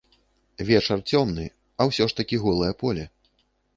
Вечар цёмны, а ўсё ж такі голае поле.